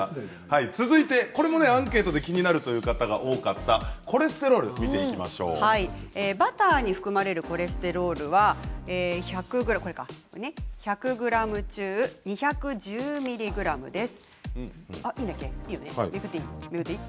続いてこれもアンケートで気になるという方が多かったコレステロールをバターに含まれるコレステロールは１００ｇ中、２１０ｍｇです。